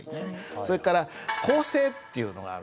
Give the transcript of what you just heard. それから構成っていうのがあるんですよ。